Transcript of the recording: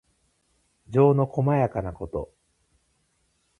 情のこまやかなこと。